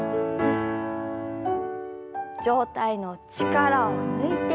上体の力を抜いて前。